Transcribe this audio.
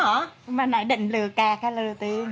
hồi nãy định lừa cạt hay lừa tiền